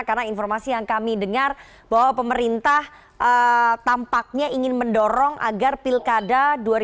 karena informasi yang kami dengar bahwa pemerintah tampaknya ingin mendorong agar pilkada dua ribu dua puluh empat